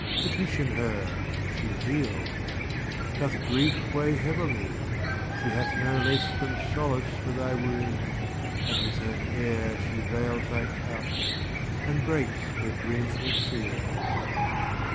Petition her; she heals. Doth grief weigh heavily? She hath no less Than solace for thy wounds, and with her hair She veils thy couch and breaks her dreamful seals.